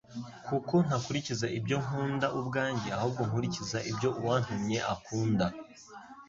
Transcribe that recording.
kuko ntakurikiza ibyo nkunda ubwanjye, ahubwo nkurikiza ibyo uwantumye akunda.»